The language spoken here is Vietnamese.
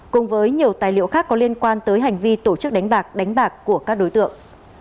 cùng với nhiều tài liệu khác có liên quan tới hành vi tổ chức đánh bạc đánh bạc của các đối tượng